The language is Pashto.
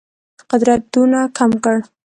قدرت دونه کم کړ.